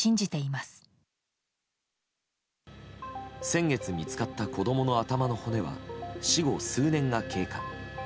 先月見つかった子供の頭の骨は死後数年が経過。